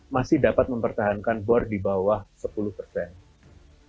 masih dapat mempertahankan bor di bawah sebagiannya